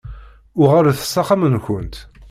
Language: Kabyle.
Uɣalet s amkan-nwen.